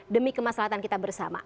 demi kemasalahan kita bersama